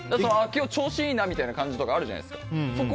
今日、調子いいなみたいな感じあるじゃないですか。